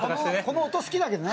この音好きだけどね。